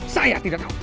saya tidak tahu